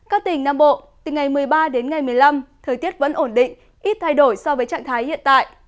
các tỉnh nam bộ từ ngày một mươi ba đến ngày một mươi năm thời tiết vẫn ổn định ít thay đổi so với trạng thái hiện tại